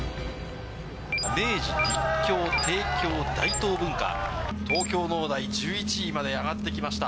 明治、立教、帝京、大東文化、東京農大、１１位まで上がってきました。